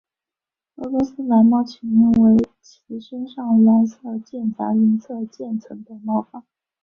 俄罗斯蓝猫起名为其身上蓝色间杂银色渐层的毛发。